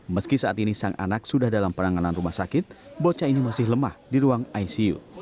meski saat ini sang anak sudah dalam penanganan rumah sakit bocah ini masih lemah di ruang icu